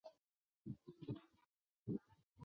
恒星月是指月球对于一颗恒星来说的自转周期。